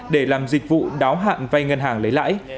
để làm dịch vụ đáo hạn vay ngân hàng lấy lãi